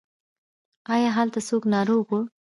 ایا هلته څوک ناروغ و؟